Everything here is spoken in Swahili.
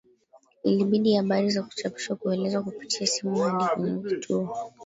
Ilbidi habari za kuchapishwa kuelezwa kupitia simu hadi kwenye kituo